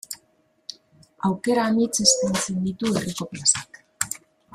Aukera anitz eskaintzen ditu herriko plazak.